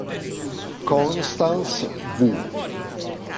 Constance Wu